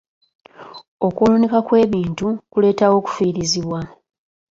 Okwonooneka kw'ebintu kuleetawo okufiirizibwa.